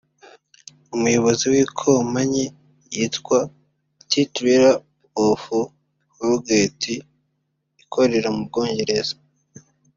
Umuyobozi w’Ikompanyi yitwa Tea Taylor’s of Harrogate ikorera mu Bwongereza